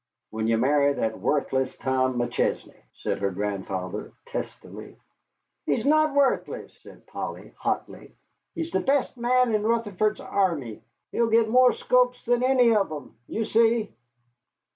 "When you marry that wuthless Tom McChesney," said her grandfather, testily. "He's not wuthless," said Polly, hotly. "He's the best man in Rutherford's army. He'll git more sculps then any of 'em, you see."